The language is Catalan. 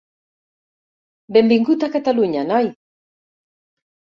Benvingut a Catalunya, noi.